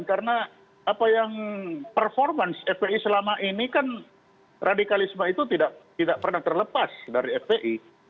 karena performance fpi selama ini kan radikalisme itu tidak pernah terlepas dari fpi